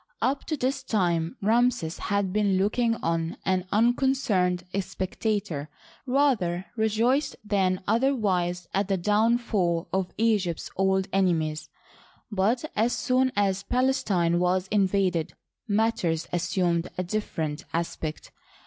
Up to this time Ramses had been looking on, an unconcerned spectator, rather re joiced than otherwise at the downfall of Egypt's old ene mies ; but as soon as Palestine was invaded, matters as sumed a different aspect.